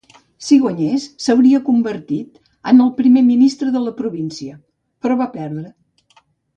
Si guanyés, s'hauria convertit en el primer ministre de la província, però va perdre.